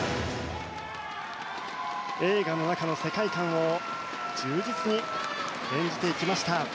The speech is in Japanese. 映画の中の世界観を忠実に演じていきました。